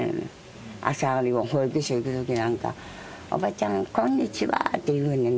朝、保育所行くときなんか、おばちゃん、こんにちは！って言うねん。